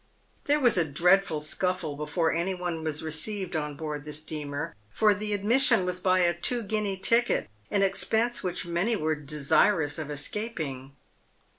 There was a dreadful scuffle before any one was received on board the steamer, for the ad mission was by a two guinea ticket — an expense which many were de sirous of escaping.